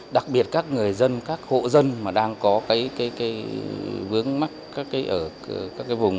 đặc biệt các người dân các hộ dân mà đang có vướng mắt ở các vùng